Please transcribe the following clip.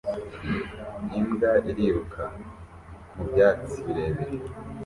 Imbwa iriruka mu byatsi birebire